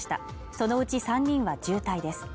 そのうち３人は重体です。